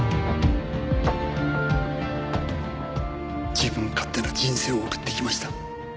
自分勝手な人生を送ってきました。